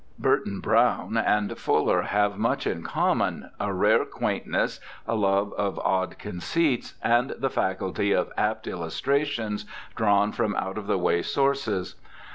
Burton, Browne, and Fuller have much in common — a rare quaintness, a love of odd conceits, and the faculty of apt illustrations drawn from out of the way sources.